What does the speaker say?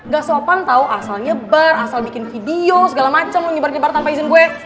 gak sopan tau asal nyebar asal bikin video segala macem lo nyebar nyebar tanpa izin gue